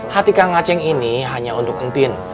hati kak ngaceng ini hanya untuk entin